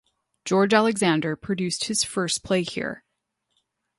George Alexander produced his first play here.